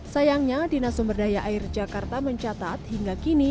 sayangnya dinas sumberdaya air jakarta mencatat hingga kini